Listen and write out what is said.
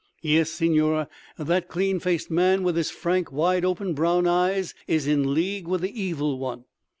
Yes, Signor, that clean faced man with his frank, wide open, brown eyes is in league with the Evil One.